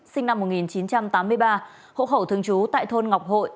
sinh năm một nghìn chín trăm tám mươi ba hộ khẩu thương chú tại thôn ngọc hội